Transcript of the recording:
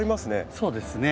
そうですね。